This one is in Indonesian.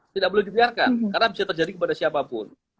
tidak boleh dibiarkan karena bisa terjadi kepada siapapun